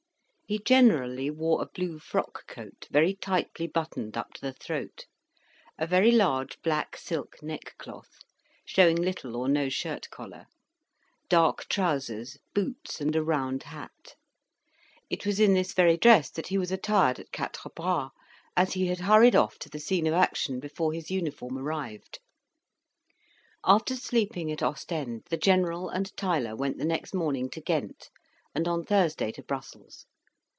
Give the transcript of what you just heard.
He generally wore a blue frock coat, very tightly buttoned up to the throat; a very large black silk neckcloth, showing little or no shirt collar; dark trousers, boots, and a round hat: it was in this very dress that he was attired at Quatre Bras, as he had hurried off to the scene of action before his uniform arrived. After sleeping at Ostend, the General and Tyler went the next morning to Ghent, and on Thursday to Brussels.